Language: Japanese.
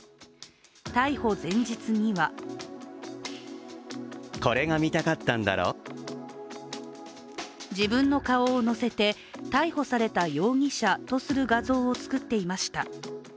逮捕前日には自分の顔を載せて逮捕された容疑者とする画像を作っていました。